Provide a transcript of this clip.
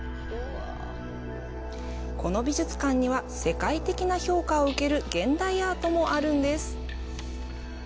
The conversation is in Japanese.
この美術館には、世界的な評価を受ける現代アートもあるんです。